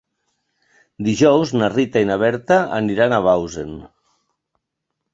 Dijous na Rita i na Berta aniran a Bausen.